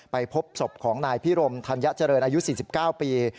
พบศพของนายพิรมธัญเจริญอายุ๔๙ปี